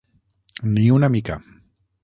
Ni una mica.